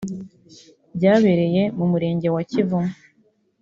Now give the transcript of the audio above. Byabereye mu murenge wa Kivumu